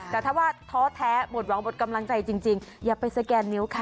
แต่ถ้าว่าท้อแท้หมดหวังหมดกำลังใจจริงอย่าไปสแกนนิ้วค่ะ